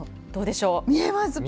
どうでしょう？